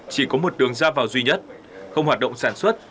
chỉ có một đường ra vào duy nhất không hoạt động sản xuất